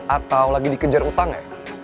atau lagi dikejar utang ya